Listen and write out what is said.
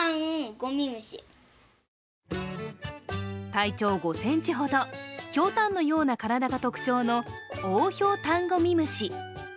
体長５ｃｍほど、ひょうたんのような体が特徴のオオヒョウタンゴミムシ。